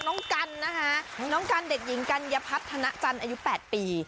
น้องกันนะคะน้องกันเด็กหญิงกัญญพัฒนาจันทร์อายุ๘ปี